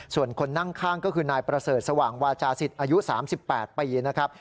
ส่วนคนนั่งข้างก็คือนายประเสริฐสว่างวาจาศิษย์อายุ๓๘ปีนะครับ